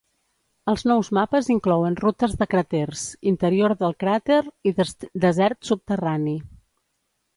Els nous mapes inclouen rutes de craters, interior del cràter i desert subterrani.